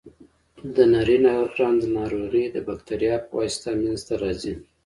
د نري رنځ ناروغي د بکتریا په واسطه منځ ته راځي.